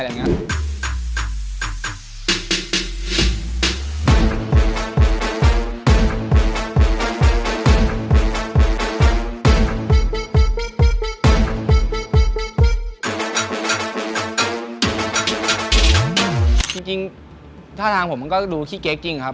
จริงท่าทางผมก็ดูขี้เก๊กจริงครับ